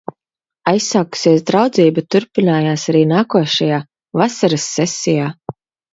Aizsākusies draudzība turpinājās arī nākošajā, vasaras sesijā.